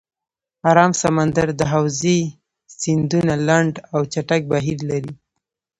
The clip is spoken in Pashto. آرام سمندر د حوزې سیندونه لنډ او چټک بهیر لري.